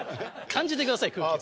感じてください空気。